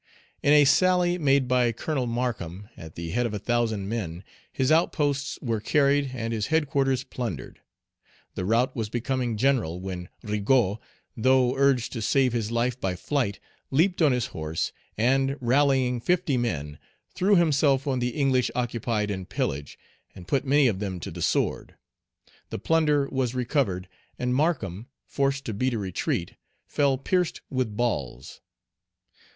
In a sally made by Colonel Markham, at the head of a thousand men, his outposts were carried, and his headquarters plundered. The rout was becoming general, when Rigaud, though urged to save his life by flight, leaped on his horse, and, rallying fifty men, threw himself on the English occupied in pillage, and put many of them to the sword. The plunder was recovered, and Markham, forced to beat a retreat, fell pierced with balls.